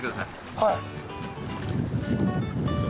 はい。